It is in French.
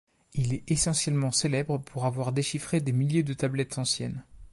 Il est essentiellement célèbre pour avoir déchiffré des milliers de tablettes anciennes.